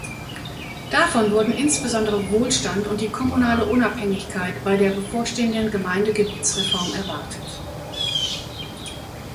Davon wurden insbesondere Wohlstand und die kommunale Unabhängigkeit bei der bevorstehenden Gemeindegebietsreform erwartet.